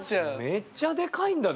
めっちゃでかいんだね。